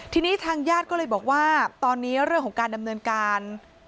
ทีนี้ทางญาติก็เลยบอกว่าตอนนี้เรื่องของการดำเนินการ